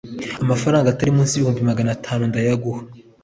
amafaranga atari munsi y ibihumbi magana atanu ndayaguha